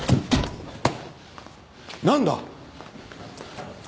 なんだ！？